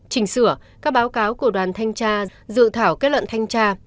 chỉnh sửa các báo cáo của đoàn thanh tra dự thảo kết luận thanh tra